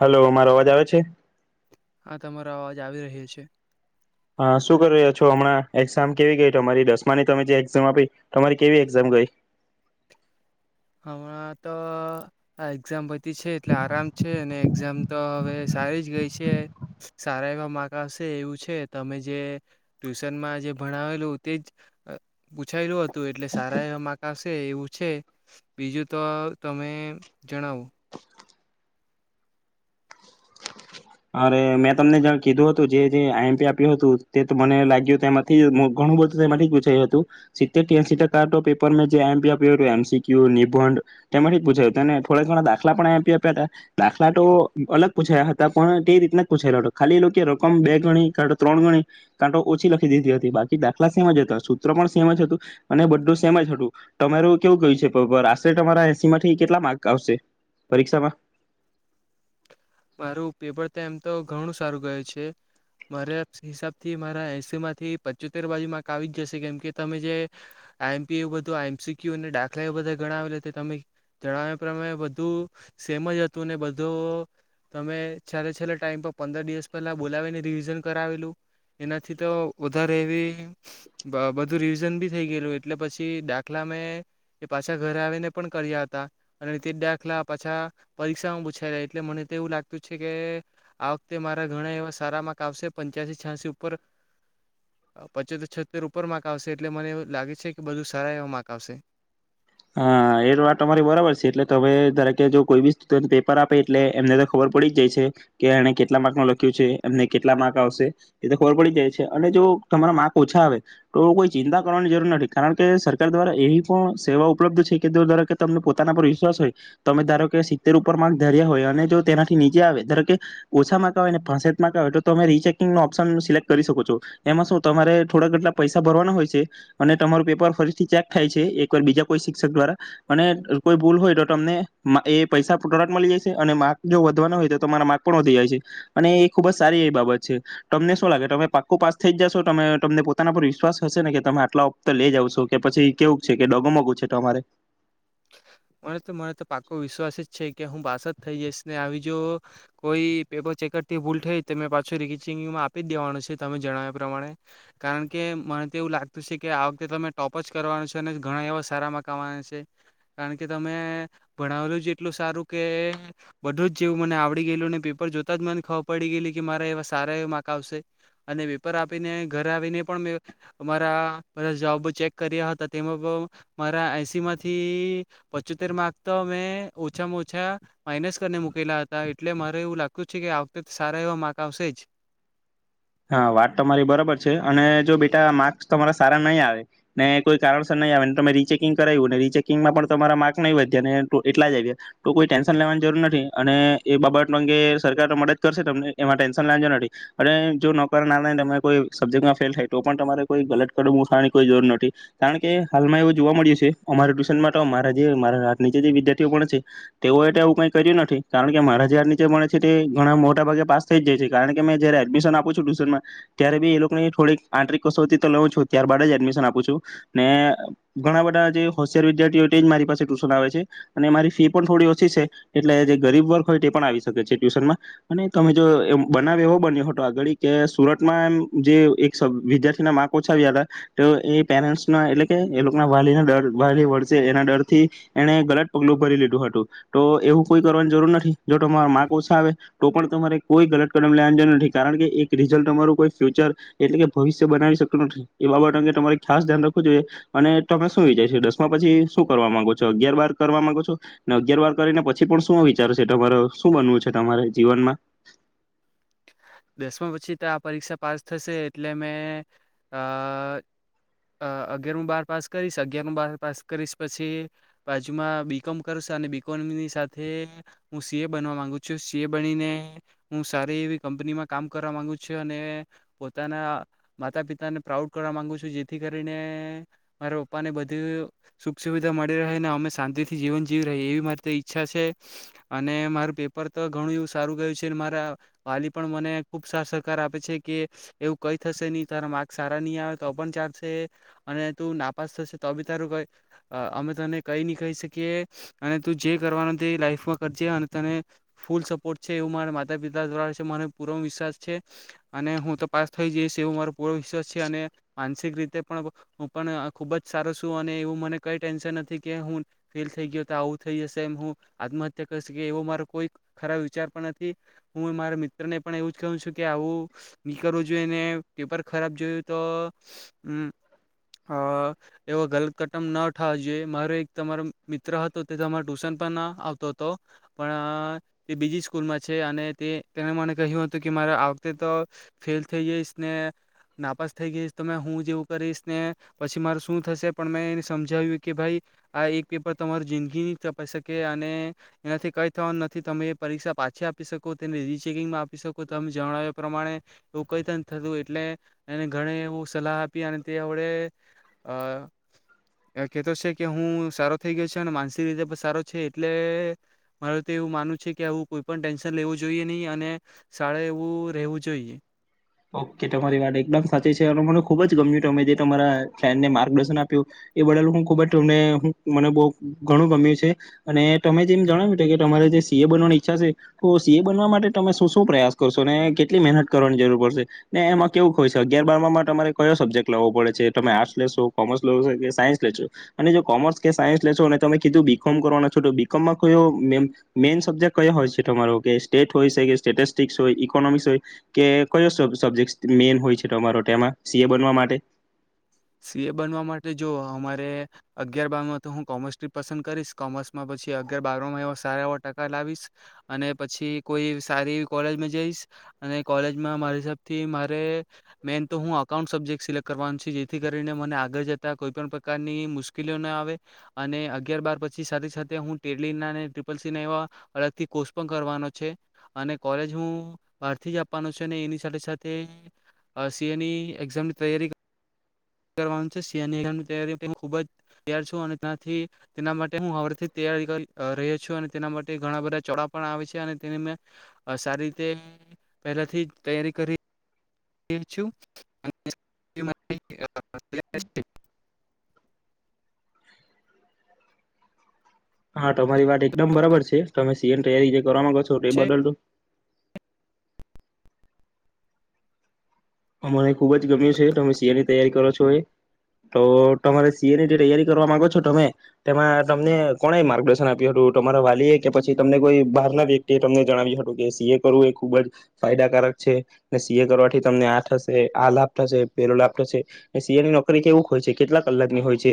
Hello મારો અવાજ આવે છે. આ તમારો અવાજ આવી રહ્યો છે. હા શું કરી રહ્યા છો હમણાં એક્ઝામ કેવી ગઈ તમારી દસમાની તમે જે એક્ઝામ આપી તમારી કેવી એક્ઝામ ગઈ. હમણાં તો આ એક્ઝામ બધી છે એટલે આરામ છે અને એક્ઝામ તો હવે સારી જ ગઈ છે સારા એવા માર્ક આવશે એવું છે. તમે જે ટ્યુશનમાં જે ભણાવેલું તે જ પૂછાયેલું હતું. તું એટલે સારા એવા માર્ક આવશે. એવું છે. બીજું તો તમે જણાવો. અરે મેં તમને કીધું હતું જે આઈએમપી આપ્યું હતું. તે તો મને લાગ્યું તેમાંથી ઘણું બધું તેમાંથી પૂછાયું હતું. સિતેર થી એંશી ટકા તો પેપર મે જે આઈએમપી આપ્યું હતું એમસીક્યુ, નિબધ તેમાંથી પૂછાયું હતુંને થોડા ઘણા દાખલા પણ આઈમપી આપ્યા હતા. દાખલા તો અલગ પૂછયા હતા. પણ તે રીતને પૂછાયેલો હતો. ખાલી એલોકોયે રકમ બે ગણી ત્રણ ગણી કાતો ઓછી લખી દીધી હતી. બાકી દાખલા સેમ જ હતા સૂત્ર પણ સેમ જ હતું અને બધું સેમ જ હતું તમારું કેવું ગયું છે. આશરે તમારા એસી માંથી કેટલા માર્ક આવશે પરીક્ષામાં? મારું પેપર તો એમ તો ઘણું સારું ગયુ છે. મારા હિસાબ થી મારા એસી માંથી પચોતેર બાજુ માર્ક આવી જશે કેમ કે તમે જે આઈમપી એવું બધું એમસીક્યુ અને દાખલા એવ બધા ગણાવેલા તમે જણાવ્યા પ્રમાણે બધું સેમ જ હતું ને બધું તમે છેલ્લે છેલ્લે ટાઈમ પર પંદર દિવસ પહેલા બોલાવીને રિવિઝન કરાવેલું એનાથી તો વધારે એવી બધું રિવિઝન બી થઈ ગયેલું એટલે પછી દાખલા મેં એ પાછા ઘરે આવીને પણ કર્યા હતા અને તે જ દાખલા પાછા પરીક્ષામાં પૂછ્ એટલે મને તો એવું લાગતું છે કે આ વખતે મારા ઘણા એવા સારા માર્ક આવશે પંચ્યાસી છ્યાસી ઉપર પચોતેર છોતેર ઉપર માર્ક આવશે એટલે મને એવું લાગે છે કે બધું સારા એવા માર્ક આવશે. હા એ વાત તમારી બરાબર છે એટલે તમે ધારો કે જો કોઈ બી સ્ટુડન્ટ પેપર આપે એટલે એમને તો ખબર પડી જ જાય છે કે એને કેટલા માર્ક ન લખ્યું છે. એમને કેટલા માર્ક આવશે એ તો ખબર પડી જાય છે અને જો તમારા માર્ક ઓછા આવે તો કોઈ ચિંતા કરવાની જરૂર નથી કારણ કે સરકાર દ્વારા એવી પણ સેવા ઓ ઉપલબ્ધ છે કે તમને પોતાના પર વિશ્વાસ હોય. તમે ધારો કે સિત્તેર ઉપર માર્ક ધર્યા હોય અને જો તેનાથી નીચે આવે ધારો કે ઓછા માર્ક આવે અને પાંસઠ માર્ક આવે તો તમે રીચેકિંગ નો ઓપ્શન સિલેક્ટ કરી શકો છો. એમાં શું તમારે થોડા કેટલા પૈસા ભરવાના હોય છે અને તમારું પેપર ફરીથી ચેક થાય છે એકવાર બીજા કોય શિક્ષક દ્વારા અને કોઈ ભૂલ હોય તો તમને એ પૈસા તરત મળી જાય છે અને માર્ક જો વધવાનો હોય તો તમારા માર્ક પણ વધી જાય છે અને એ ખુબ જ સારી એવી બાબત છે તમને શું લાગે તમે પાકુ પાસ થઈ જ જાશો તમે તમને પોતાના પર વિશ્વાસ હશે ને કે તમે આટલા ઉપર લઈ આવશો કે પછી કેવું છે કે ડગુમગું છે. છે તમારે મને તો મને તો પાકુ વિશ્વાસ જ છે કે હું પાસ જ થઇ જઈશ ને આવી જો કોઈ પેપર ચેકરથી ભૂલ થઈ તો મેં પાછું રીચેકીંગમાં આપી જ દેવાનું છે તમે જણાવ્યા પ્રમાણે કારણ કે મને તો એવું લાગતું છે કે આ વખતે તો મે ટોપ જ કરવાનો છે અને ઘણા એવા સારા માર્ક આવાના છે. કારણ કે તમે ભણાવેલું જ એટલું સારું કે બધું જ જેવું મને આવડી ગયેલું ને પેપર જોતા જ મને ખબર પડી ગયેલી કે મારા એવા સારા એવા માર્ક આવશે અને પેપર આપીને ઘરે આવીને પણ મેં મારા બધા જવાબો ચેક કર્યા હતા. તેમાં મારા એસી માંથી થી પચોતેર માર્ક તો મેં ઓછામાં ઓછા માઇનસ કરીને મુૂકેલા હતા એટલે મારે એવું લાગતું છે કે આ વખતે સારા એવા માર્ક આવશે જ. હા વાત તમારી બરોબર છે અને જો બેટા માર્ક્સ તમારા સારા નહીં આવે ને કોઈ કારણસર નહીં આવે તમે રીચેકિંગ કરાવ્યું રીચેકિંગમાં પણ તમારા માર્કસ નહીં વધ્યા અને એટલા જ આવ્યા તો કોઈ ટેન્શન લેવાની જરૂર નથી અને એ બાબત અંગે સરકાર તો મદદ કરશે તમને એમાં ટેન્શન લેવાની જરૂર નથી અને જો ન કારણ નારાયણ તમેં કોઈ સબ્જેક્ટમાં ફેલ થાય તો પણ તમારે કોઈ ગલત કદમ ઉઠવાની કોઈ જરૂર નથી કારણ કે હાલમાં એવું જોવા મળ્યું છે અમારા ટ્યુશન માટે તો મારા જે મારા આ નીચે જે વિદ્યાર્થીઓ પણે છે તેઓ એ આવું કઈ કર્યું નથી કારણ કે મારા જે હાથ નીચે ભણે છે તે ઘણા મોટા ભાગે પાસ થઈ જાય છે કારણ કે મેં જયારે એડમિશન આપું છું ત્યારે બી એ લોકો થોડીક આંતરિક કસોટી તો લઉ છું ત્યારબાદ જ એડમિશન આપું છું ને ઘણા બધા જે હોશિયાર વિદ્યાર્થી હોય તે જ મારી પાસે ટ્યુશન આવે છે અને મારી ફી પણ થોડી ઓછી છે એટલે જે ગરીબ વર્ગ હોય તે પણ આવી શકે છે ટ્યુશનમાં અને તમે જો બનાવ એવો બન્યો હતો આગાડી કે સુરતમાં એમ જે એક સબ વિદ્યાર્થીના માર્ક ઓછા આવ્યા હતા તો એ પેરેન્ટ્સના એટલે કે એ લોકોના વાલી ના ડર વાલી વળસે એના ડર થી એને ગલત પગલું ભરી લીધું હતું. તો એવું કોઈ કરવાની જરૂર નથી. જો તમારા મા ઓછા આવે તો પણ તમારે કોઈ ગલત કદમ લેવાની જરૂર નથી કારણ કે રિઝલ્ટ તમારું કોઈ ફ્યુચર એટલે કે ભવિષ્ય બનાવી શકતું નથી. એ બાબત અંગે તમારે ખાસ ધ્યાન રાખવું જોઈએ અને તમે શું વિચારો છો? દસમા પછી શું કરવા માંગો છો? અગિયાર બાર કરવા માંગો છો ને અ, ગિયાર બાર કરીને પછી પણ શું વિચારશે તમારે શું બનવું છે? તમારે જીવનમાં દસમા પછી તો આ પરીક્ષા પાસ થશે એટલે મેં અ અગયારમુ બાર પાસ કરીશ. અગિયારમુ બાર પાસ કરીશ પછી બાજુમાં બીકોમ કરશ અને બીકોમની સાથે હું સીએ બનવા માંગુ છું. સી એ બનીને હું એવી કંપનીમાં કામ કરવા માંગુ છું, અને પોતાના માતા પિતાને પ્રાઉડ કરવા માંગુ છું, જેથી કરીને મારા પપ્પા ને બધી સુખ સુવિધા મળી રહેને અમે શાંતિ થી જીવન જીવી રે એવી મારી ઈચ્છા છે અને મારું પેપર તો ઘણું એવું સારું ગયું છે મારા વાલી પણ મને ખૂબ સારા સહકાર આપે છે, કે એવું કંઈ થશે નહીં તારા માર્ક સારા નહીં આવે તો પણ ચાલશે અને તું નાપાસ થશે તો બી તારું કં અમે તને કંઈ નહીં કહી શકીએ અને તું જે કરવાનું તે એ લાઈફમાં કરજે અને તને ફૂલ સપોર્ટ છે એવું મારા માતા પિતા દ્વારા પૂ વિશ્વાસ છે અને હું તપાસ થઈ જઈશ એવો મારો પૂરો વિશ્વાસ છે અને માનસિક રીતે પણ હું પણ ખુબ જ સારો છું અને એવું મને કઈ ટેન્શન નથી કે હું ફેલ થઈ ગયો તો આવું થઈ જશે એમ હું આત્મહત્યા કરીકી એવો મારો કોઈ ખરાબ વિચાર પણ નથી હું મારા ને પણ એવું જ કહવું છું કે આવું નીકળવું જોઈએને પેપર ખરાબ જોયું તોમ અ એવો ગલત કટમ ન ઉઠાવો જોઈએ મારો એક તમારો મિત્ર હતો તે તમારે ટુશન પણ ન આવતો હતો પણ તે બીજી સ્કૂલમાં છે અને તે તેણે મને કહ્યું હતું કે મારે આ વખતે તો ફેલ થઈ જઈશ ને નાપાસ થઈ જઈશ તમે હું જેવું કરીશ ને પછી માર શું થશે પણ મેં એને સમજાવ્યું કે ભાઈ આ એક પેપર તમારું જિંદગી ન તપાઈ શકે અને એનાથી કંઈ થવાનું નથી તમે એ પરીક્ષા પાછી આપી શકો તેને ર ચેકીંગમાં આપી શકો તમે જણાવ્યા પ્રમાણે એવું કઈ ત થતું એટલે એને ઘણે એવું સલાહ આપી અને તે હવડે કેહેતો છે, કે હું સારો થઈ ગયો છે, અને માનસિક રીતે પણ સારો છે, એટલે મારે તો એવું માનવું છે કે આવું કોઈ પણ ટેન્શન લેવું જોઈએ નહીં અને શાળા એવું રહેવું જોઈએ ઓકે તમારી વાત એકદમ સાચી છે, અને મને ખુબ જ ગમ્યું અમે જે તમારા ફેન્ડને માર્ગદર્શન આપ્યું એ બનેલું હું ખુબ જ તમને મને બહુ ઘણું ગમ્યું છે અને તમે જેમ જણાવ્યું છે કે તમારે જે સીએ બનવાની ઈચ્છા છે તો સીએ બનવા માટે તમે શું શું પ્રયાસ કરશો અને કેટલી મહેનત કરવાની જરૂર પડશે ને એમાં કેવું હો છે, અગિારમાં તમારે કયો સબ્જેક્ટ લેવો પડે છે, તમે આર્ટસ લેશો કોમર્સ લો કે સાયન્સ લેશો અને જો કોમર્સ કે સાયન્સ લેશો અને તમે કીધું બીકોમ કરવાના છો, તો બીકોમમાં કયો મેઈન સબ્જેક્ટ કયો હોય છે, તમારો કે સ્ટેટ હોય છે, કે સ્ટેટિસ્ટિક્સ હોય ઇકોનોમિકસ હોય કે કયો સબ્જેક્ટસ મેન હોય છે તમારો ટેમાં માં સી એ બનવા માટે સી એ બનવા માટે જો અમારે અગિયાર બારમાં તો હું કોમર્સ પસંદ કરીશ કોમર્સમાં પછી અગિયાર બારમાં સારા એવા ટકા લાવીશ અને પછી કોઈ સારી કોલેજમાં જઈશ અને કોલેજમાં મારી હિસાબથી મારે મેન તો હું અકાઉન્ટ સબ્જેક્ટ સિલેક્ટ કરવાનું થી કરીને મને આગળ જતા કોઈ પણ પ્રકારની મુશ્કેલીઓ ના આવે, અને અગિયાર બાર પછી સાથે સાથે હું તેલીના અને ટ્રિપલ સી ના એવા, અલગથી કોર્સ પણ કરવાનો છે અને કોલેજ હું બહારથી જ આપવાનો છું અને એની સાથે સાથે સી એની એક્ઝામની તૈયારી કરવાનું છે શિયાનીારી ખુબ જ તૈયાર છું, અનેથી તેના માટે હું હરથી તૈયારી રહ્યો છું અને તેના માટે ઘણા બધા ચોડા પણ આવે છે અને તેની મે, સારી રીતે પહેલાથી તૈયારી કરી [unintelligible] હા તમારી વાત એકદમ બરાબર છે, તમે સીએન તૈયારી જે કરવા માગો છો તે બદલ તો મને ખુબ જ ગમ્યું છે તમે સી એ ની તૈયારી કરો છો એ, તો તમારે સી એ ની જે તૈયારી કરવા માંગો છો તમે તેમાં તમને કોણે માર્ગદર્શન આપ્યું હતું તમારા વાલીએ કે પછી તમને કોઈ બહાર ના વ્યક્તિ એ તમને જણાવ્યું હતું કે સી એ કરવું એ ખુબ જ, ફાયદાકારક છે, ને સી એ કરવાથી તમને આ થશે આ લાભ થશે પેલો લાભ થશે, સિ એની નોકરી કેવું હોય છે કેટલા કલાકની હોય છે.